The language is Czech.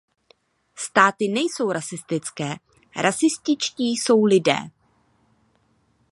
Státy nejsou rasistické, rasističtí jsou lidé.